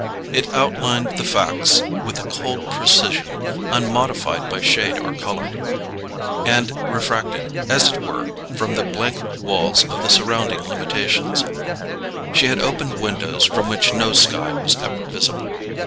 It outlined the facts with a cold precision unmodified by shade or colour, and refracted, as it were, from the blank walls of the surrounding limitations: she had opened windows from which no sky was ever visible.